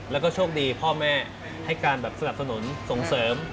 แล้วก็โชคดีพ่อแม่ให้การแบบสนับสนุนส่งเสริม